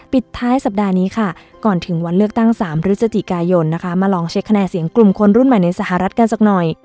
ปิดท้ายสัปดาห์นี้ค่ะก่อนถึงวันเลือกตั้ง๓พฤศจิกายนนะคะมาลองเช็คคะแนนเสียงกลุ่มคนรุ่นใหม่ในสหรัฐกันสักหน่อย